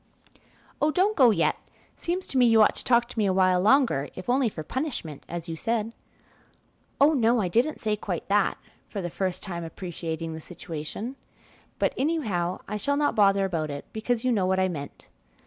"Oh, don't go yet; seems to me you ought to talk to me a while longer, if only for punishment, as you said." "Oh, no, I didn't say quite that," for the first time appreciating the situation; "but anyhow I shall not bother about it, because you know what I meant."